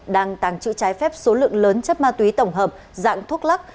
đang tàng trữ trái phép số lượng lớn chất ma túy tổng hợp dạng thuốc lắc